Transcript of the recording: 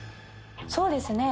そうですね